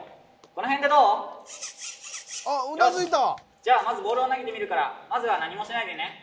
じゃあまずボールを投げてみるからまずは何もしないでね。